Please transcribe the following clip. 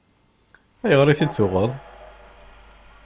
Ayɣer i t-id-tuɣeḍ?